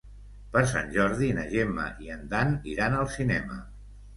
Per Sant Jordi na Gemma i en Dan iran al cinema.